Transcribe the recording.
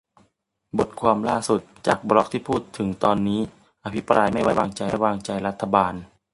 บทความล่าสุด จากบล็อกที่พูดถึงตอนนี้ อภิปรายไม่ไว้วางใจรัฐบาล